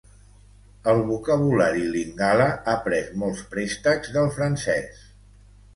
El vocabulari lingala ha pres molts préstecs del francès.